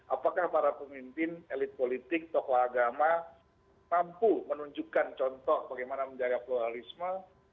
apakah para pemimpin elit politik tokoh agama mampu menunjukkan contoh bagaimana menjaga pluralisme